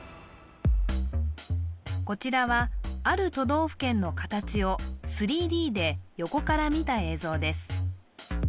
こちらはある都道府県の形を３Ｄで横から見た映像です